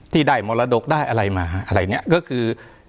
ที่ได้มรดกได้อะไรมาอะไรเนี่ยก็คือ